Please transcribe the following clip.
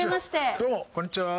どうも、こんにちは。